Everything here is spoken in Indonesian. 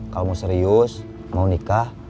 kalau mau serius mau nikah